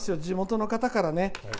地元の方からね。